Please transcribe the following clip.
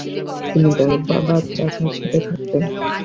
তিনি তার বাবার চাচার সাথে থাকতেন।